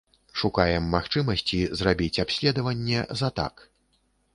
Шукаем магчымасці зрабіць абследаванне за так.